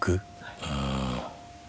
うん。